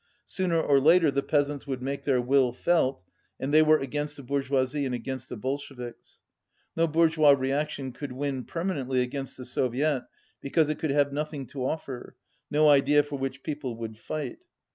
Sooner or later the peasants would make their will felt, and they were against the bourgeoisie and against the Bolsheviks. No bourgeois reaction could win per manently against the Soviet, because it could have nothing to offer, no idea for which people would fight.